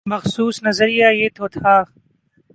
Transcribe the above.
مخصوص نظریہ تو تھا۔